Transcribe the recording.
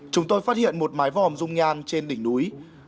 chúng tôi phát hiện một mái vòm rung nhan trên đỉnh núi